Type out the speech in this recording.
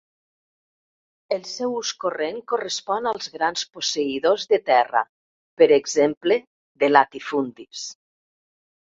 El seu ús corrent correspon als grans posseïdors de terra, per exemple de latifundis.